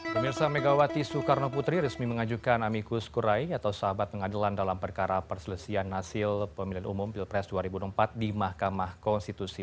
pemirsa megawati soekarno putri resmi mengajukan amikus kurai atau sahabat pengadilan dalam perkara perselisian hasil pemilihan umum pilpres dua ribu dua puluh empat di mahkamah konstitusi